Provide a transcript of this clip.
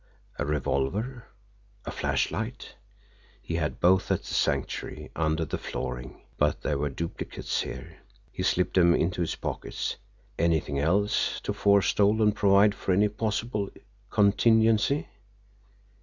A revolver, a flashlight? He had both at the Sanctuary, under the flooring but there were duplicates here! He slipped them into his pockets. Anything else to forestall and provide for any possible contingency?